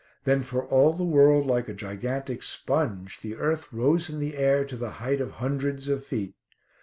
Then, for all the world like a gigantic sponge, the earth rose in the air to the height of hundreds of feet.